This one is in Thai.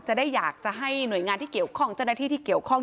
จะได้อยากจะให้หน่วยงานที่เกี่ยวข้อง